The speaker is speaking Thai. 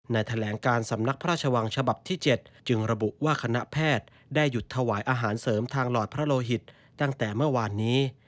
แถลงการสำนักพระราชวังฉบับที่๗จึงระบุว่าคณะแพทย์ได้หยุดถวายอาหารเสริมทางหลอดพระโลหิตตั้งแต่เมื่อวานนี้